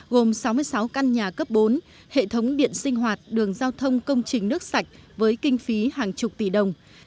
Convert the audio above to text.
gồm sáu mươi sáu căn nhà cấp bốn hệ thống điện sinh hoạt đường giao thông công trình nước sạch với kinh phí hàng chục tỷ đồng